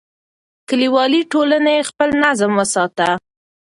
کلیوالي ټولنې خپل نظم وساته.